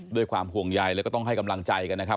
ด้วยความห่วงใยแล้วก็ต้องให้กำลังใจกันนะครับ